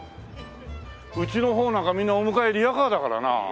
うちの方なんかみんなお迎えリヤカーだからなあ。